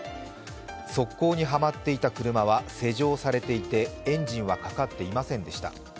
側溝にはまっていた車は施錠されていてエンジンはかかっていませんでした。